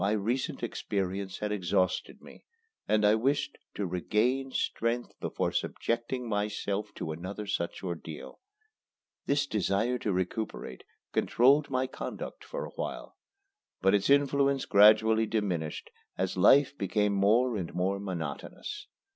My recent experience had exhausted me, and I wished to regain strength before subjecting myself to another such ordeal. This desire to recuperate controlled my conduct for a while, but its influence gradually diminished as life became more and more monotonous.